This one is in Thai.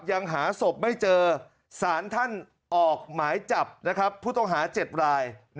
ยังหาศพไม่เจอสารท่านออกหมายจับผู้ต้องหา๗ราย